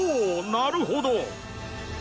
なるほど！